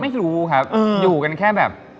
ไม่รู้ครับอยู่กันแค่แบบ